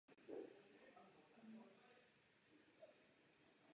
Studoval teologii na Univerzitě v Leidenu a promoval z medicíny na univerzitě v Caen.